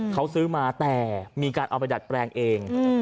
เขาซื้อมาแต่มีการเอาไปดัดแปลงเอง